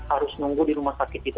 harus nunggu di rumah sakit itu